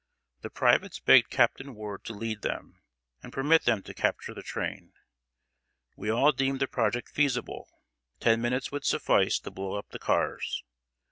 The privates begged Captain Ward to lead them, and permit them to capture the train. We all deemed the project feasible. Ten minutes would suffice to blow up the cars.